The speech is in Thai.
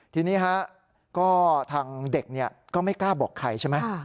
ทีนี้ฮะก็ทางเด็กก็ไม่กล้าบอกใครใช่ไหม